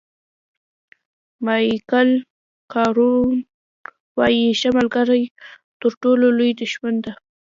مایکل کاون وایي ښه ملګری تر ټولو لویه شتمني ده.